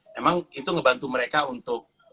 memang itu ngebantu mereka untuk